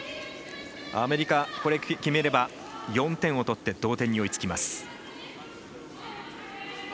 アメリカこれを決めれば４点を取って同点に追いつきます。